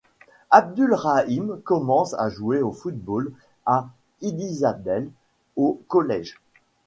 Abdul Rahim commence à jouer au football à Adisadel au collège.